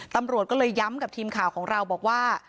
ตำรวจก็เลยย้ำกับทีมข่าวของเราบอกว่า